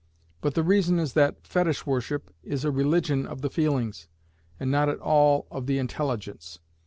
But the reason is that Fetish worship is a religion of the feelings, and not at all of the intelligence.